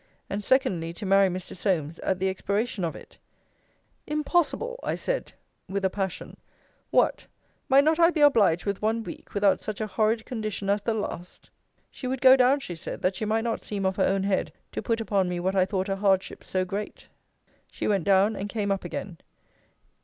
And, secondly, to marry Mr. Solmes, at the expiration of it. Impossible! Impossible! I said with a passion What! might not I be obliged with one week, without such a horrid condition as the last? She would go down, she said, that she might not seem of her own head to put upon me what I thought a hardship so great. She went down: and came up again.